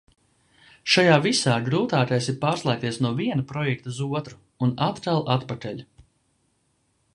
Šajā visā grūtākais ir pārslēgties no viena projekta uz otru un atkal atpakaļ.